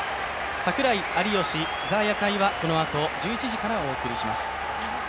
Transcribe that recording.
「櫻井・有吉ＴＨＥ夜会」はこのあと１１時からお送りします。